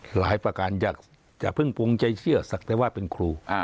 ประการอย่าเพิ่งปวงใจเชื่อศักดิ์แต่ว่าเป็นครู